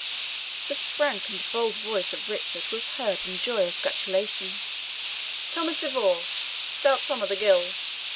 BALLAD. The frank and bold voice of Richard was heard in joyous gratulation. "Thomas de Vaux! stout Tom of the Gills!